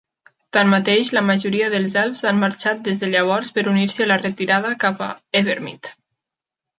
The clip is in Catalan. Tanmateix, la majoria dels elfs han marxat des de llavors per unir-se a la retirada cap a Evermeet.